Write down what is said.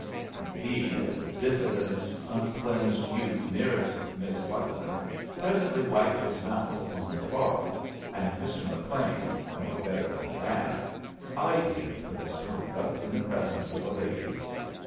Indeed, a diffident, uncleansed youth nearest Miss Buckner presently wiped his mouth upon the cloth; and Mr. McLean, knowing better than that, eyed him for this conduct in the presence of a lady.